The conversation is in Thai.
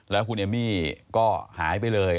แล้วคุณเอมมี่ก็หายไปเลย